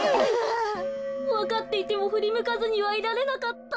わかっていてもふりむかずにはいられなかった。